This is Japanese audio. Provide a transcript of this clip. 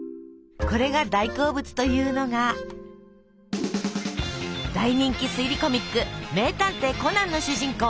これが大好物というのが大人気推理コミック「名探偵コナン」の主人公